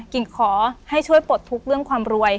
กิ่งขอให้ช่วยปลดทุกข์เรื่องความรวย